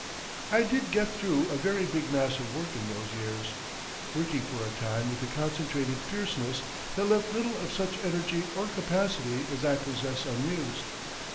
I did get through a very big mass of work in those years, working for a time with a concentrated fierceness that left little of such energy or capacity as I possess unused.